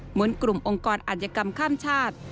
เหมือนกลุ่มองค์กรอัธยกรรมข้ามชาติ